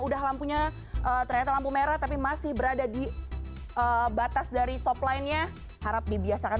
udah lampunya ternyata lampu merah tapi masih berada di batas dari stop line nya harap dibiasakan